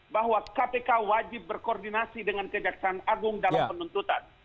bahwa kpk wajib berkoordinasi dengan kejaksaan agung dalam penuntutan